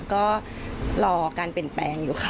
ก็รอการเปลี่ยนแปลงอยู่ค่ะ